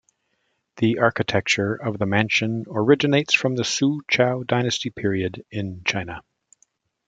The architecture of the mansion originates from the Su Chow Dynasty Period in China.